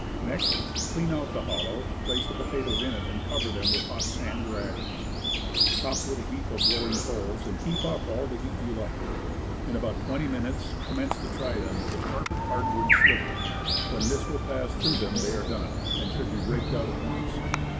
Next, clean out the hollow, place the pota toes in it, and cover them with hot sand or ashes, topped with a heap of glowing coals, and keep up all the heat you like. In about forty minutes com mence to try them with a sharpened hard wood sliver; when this will pass through them they are done, and should be raked out at once.